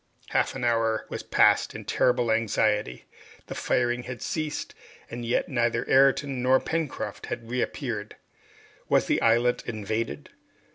Half an hour was passed in terrible anxiety. The firing had ceased, and yet neither Ayrton nor Pencroft had reappeared. Was the islet invaded?